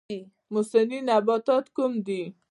موسمي نباتات کوم دي؟